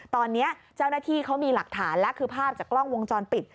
ตอนนี้เจ้าหน้าที่เขามีหลักฐานแล้วคือภาพจากกล้องวงจรปิด